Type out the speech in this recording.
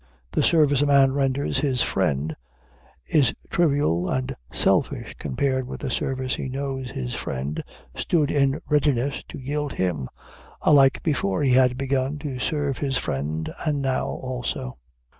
The service a man renders his friend is trivial and selfish, compared with the service he knows his friend stood in readiness to yield him, alike before he had begun to serve his friend, and now also.